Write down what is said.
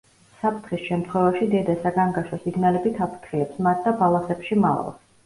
საფრთხის შემთხვევაში დედა საგანგაშო სიგნალებით აფრთხილებს მათ და ბალახებში მალავს.